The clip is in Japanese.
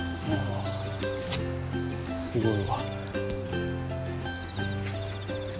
すごいわ。